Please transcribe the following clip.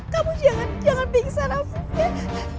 kamu jangan jangan pingsan afif